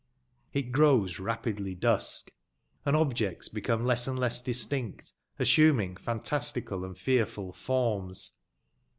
It grows rapidly dusk, and objects become less and less dis tinct, assuming fantastical and fearful forms.